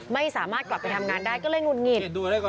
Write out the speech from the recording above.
ไม่สามารถกลับไปทำงานได้ก็เลยหุดหงิด